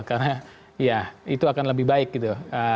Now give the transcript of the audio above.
karena ya itu akan lebih baik gitu